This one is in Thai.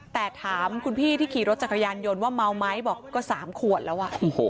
แต่ถามคุณพี่ที่ขี่รถจักรยานยนต์ว่าเมาไหมบอกก็๓ขวดแล้ว